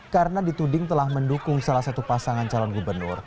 karena dituding telah mendukung salah satu pasangan calon